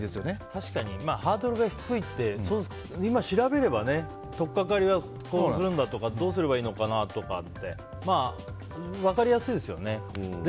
確かにハードルが低いって今、調べればとっかかりはこうするんだとかどうすればいいのかとか分かりやすいですよね。